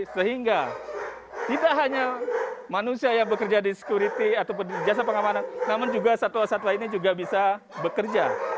sehingga tidak hanya manusia yang bekerja di security atau jasa pengamanan namun juga satwa satwa lainnya juga bisa bekerja